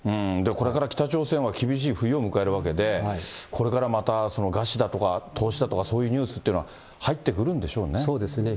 これから北朝鮮は厳しい冬を迎えるわけで、これからまた貸しだとか凍死だとか、そういうニュースっていうのそうですね。